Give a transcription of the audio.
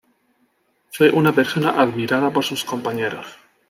Fue una persona admirada por sus compañeros.